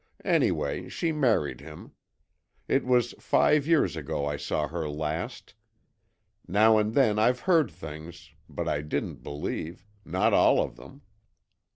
Anyway, she married him. It was five years ago I saw her last. Now and then I've heard things, but I didn't believe not all of them.